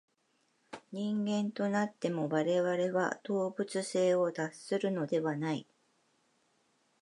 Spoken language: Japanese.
人間となっても、我々は動物性を脱するのではない。